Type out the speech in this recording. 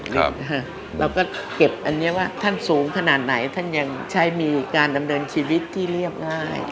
เราก็เก็บอันนี้ว่าท่านสูงขนาดไหนท่านยังใช้มีการดำเนินชีวิตที่เรียบง่าย